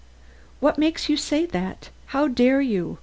"What makes you say that? How dare you?